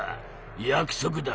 約束だ。